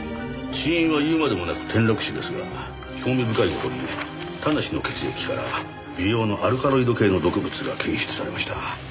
死因は言うまでもなく転落死ですが興味深い事に田無の血液から微量のアルカロイド系の毒物が検出されました。